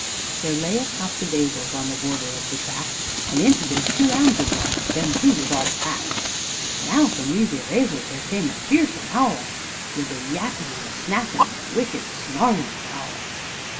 There lay a copse of 'azels on the border of the track, And into this two 'ounds 'ad run them two was all the pack — And now from these 'ere 'azels there came a fearsome 'owl, With a yappin' and a snappin' and a wicked snarlin' growl.